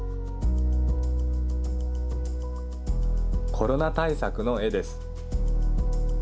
コロナ対策の絵です。